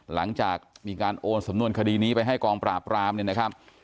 หลังจากมีการโอนสำนวนคดีนี้ไปให้กองปราบรามเนี่ยนะครับ